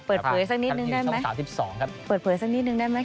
เปิดเผยสักนิดนึงได้ไหม